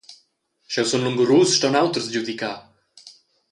Sch’jeu sun lungurus, ston auters giudicar.